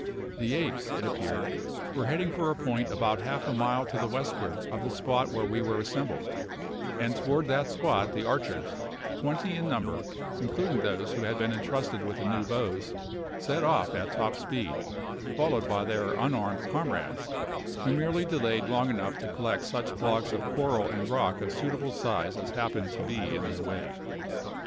The apes, it appeared, were heading for a point about half a mile to the westward of the spot where we were assembled, and toward that spot the archers, twenty in number, including those who had been entrusted with the new bows, set off at top speed, followed by their unarmed comrades, who merely delayed long enough to collect such blocks of coral and rock of suitable size as happened to be in their way.